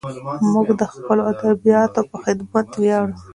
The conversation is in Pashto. موږ د خپلو ادیبانو په خدمت ویاړو.